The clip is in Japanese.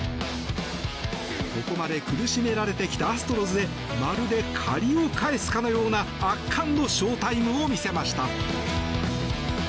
ここまで苦しめられてきたアストロズへまるで借りを返すかのような圧巻のショータイムを見せました。